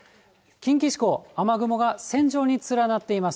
近畿地方、雨雲が線状に連なっています。